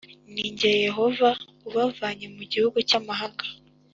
Ni jye Yehova ubavanye mu gihugu cyamahanga